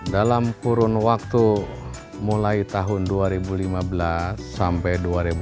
dalam kurun waktu mulai tahun dua ribu lima belas sampai dua ribu dua puluh